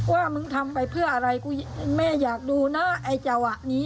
ว่ามึงทำไปเพื่ออะไรแม่อยากดูหน้าไอ้เจ้าอะนี้อะค่ะ